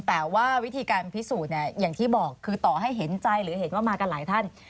แต่ว่าวิธีการพิสูจน์เนี่ยอย่างที่บอกคือต่อให้เห็นใจหรือเห็นว่ามากันหลายท่าน